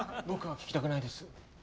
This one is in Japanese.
僕は聞きたくないです。